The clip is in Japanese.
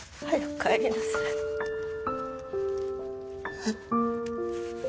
えっ？